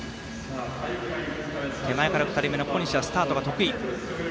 手前から２人目の小西はスタートが得意。